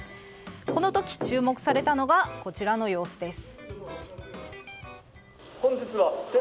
この時、注目されたのがこちらの様子です。